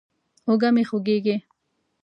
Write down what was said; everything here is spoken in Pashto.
اوږه مې خوږېږي.